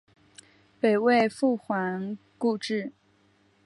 北魏复还故治。